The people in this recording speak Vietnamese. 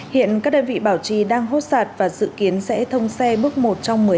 hiện các đơn vị bảo trì đang hốt sạt và dự kiến sẽ thông xe bước một trong một mươi hai